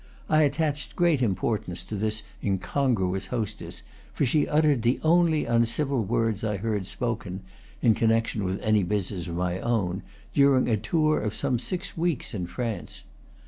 I attached great importance to this incongruous hostess, for she uttered the only uncivil words I heard spoken (in connection with any business of my own) during a tour of some six weeks in France.